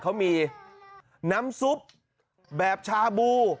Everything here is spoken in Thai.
เขามีน้ำซุปแบบชาบู